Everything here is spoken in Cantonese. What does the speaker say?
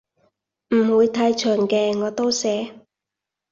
唔會太長嘅我都寫